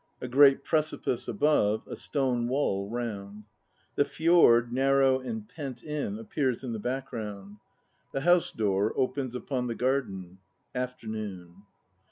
A great precipice above, a stone wall round. The fjord, narrow and pent in, appears in the background. The house door opens upon the garden. Afternoon.